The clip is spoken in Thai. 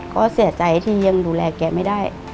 ก็เสียใจที่ยังดูแลแกไม่ได้